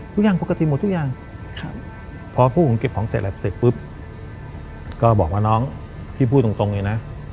ทุกอย่างปกติหมดทุกอย่างพอพวกผมเก็บของเสร็จแล้วเสร็จปุ๊บก็บอกว่าน้องพี่พูดตรงเลยนะ